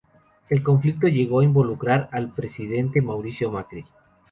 El conflicto llegó a involucrar al presidente Mauricio Macri.